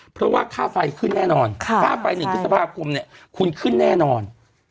เพราะว่าค่าไฟขึ้นแน่นอนค่าไฟ๑พฤษภาคมเนี่ยคุณขึ้นแน่นอน